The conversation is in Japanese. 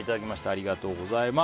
ありがとうございます。